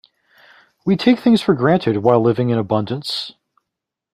We take things for granted while living in abundance.